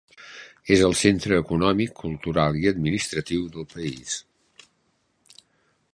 És el centre econòmic, cultural i administratiu del país.